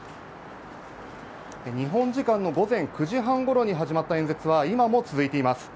日本時間の午前９時半頃に始まった演説は今も続いています。